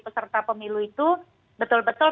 peserta pemilu itu betul betul